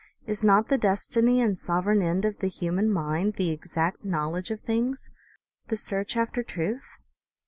Is not the destiny and OMEGA. 165 sovereign end of the human mind the exact knowledge of things, the search after truth